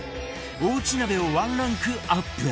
おうち鍋をワンランクアップ